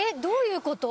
どういう事？